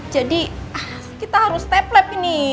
jadi kita harus step lab ini